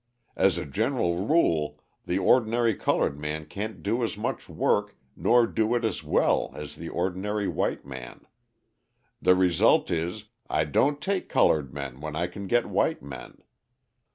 As a general rule the ordinary coloured man can't do as much work nor do it as well as the ordinary white man. The result, is, I don't take coloured men when I can get white men.